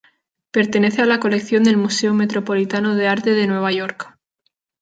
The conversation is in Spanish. Pertenece a la colección del Museo Metropolitano de Arte de Nueva York.